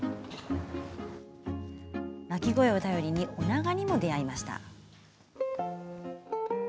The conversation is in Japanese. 鳴き声を頼りにオナガにも出会えました。